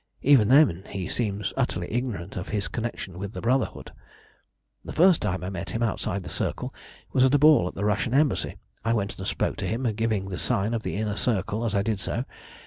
Even then he seems utterly ignorant of his connection with the Brotherhood. "The first time I met him outside the Circle was at a ball at the Russian Embassy. I went and spoke to him, giving the sign of the Inner Circle as I did so.